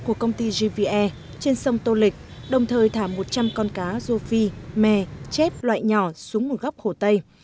của công ty gve trên sông tô lịch đồng thời thả một trăm linh con cá rô phi mè chép loại nhỏ xuống một góc hồ tây